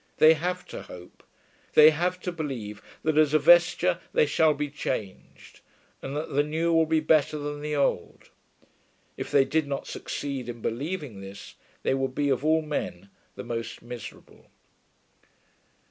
They have to hope: they have to believe that as a vesture they shall be changed, and that the new will be better than the old. If they did not succeed in believing this, they would be of all men the most miserable.